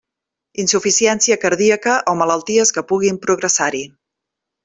Insuficiència cardíaca o malalties que puguin progressar-hi.